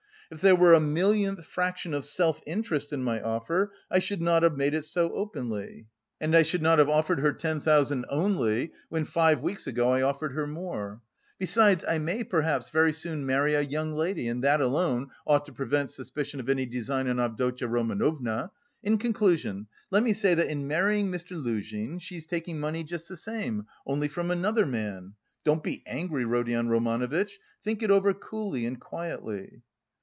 If there were a millionth fraction of self interest in my offer, I should not have made it so openly; and I should not have offered her ten thousand only, when five weeks ago I offered her more, Besides, I may, perhaps, very soon marry a young lady, and that alone ought to prevent suspicion of any design on Avdotya Romanovna. In conclusion, let me say that in marrying Mr. Luzhin, she is taking money just the same, only from another man. Don't be angry, Rodion Romanovitch, think it over coolly and quietly."